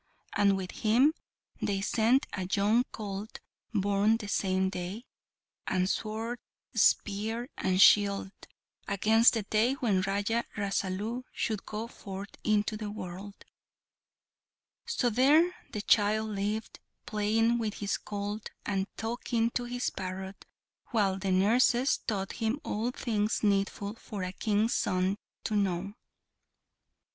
And with him they sent a young colt, born the same day, and sword, spear, and shield, against the day when Raja Rasalu should go forth into the world. So there the child lived, playing with his colt, and talking to his parrot, while the nurses taught him all things needful for a King's son to know.